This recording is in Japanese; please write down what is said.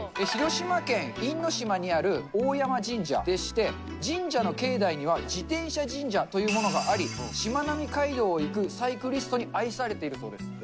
広島県因島にある大山神社でして、神社の境内には自転車神社というものがあり、しまなみ海道を行くサイクリストに愛されているそうです。